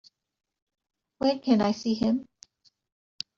When can I see him?